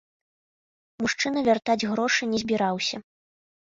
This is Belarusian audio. Мужчына вяртаць грошы не збіраўся.